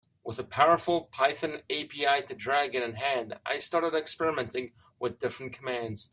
With a powerful Python API to Dragon in hand, I started experimenting with different commands.